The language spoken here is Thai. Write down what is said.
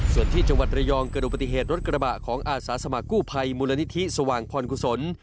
ส่วนที่จังหวัดระยองเกิดดูปฏิเหตุรถกระบะของอาสาสมัครกู้ภัยมูลนิธิสว่างพรกุศล